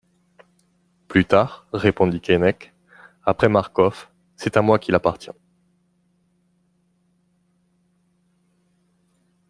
Plus tard, répondit Keinec, Après Marcof, c'est à moi qu'il appartient.